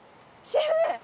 シェフ！